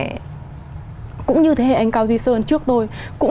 tôi cũng như tôi thôi